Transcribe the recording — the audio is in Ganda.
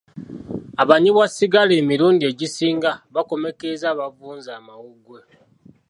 Abanywi ba sigala emirundi egisinga bakomekkereza bavunze amawuggwe.